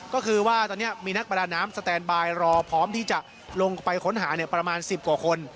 ก็คือว่าตอนนี้มีนักประดาน้ำสแตนบายรอพร้อมที่จะลงไปค้นหาประมาณ๑๐กว่าคน